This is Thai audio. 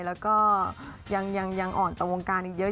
แล้วก็ยังอ่อนต่อวงการอีกเยอะ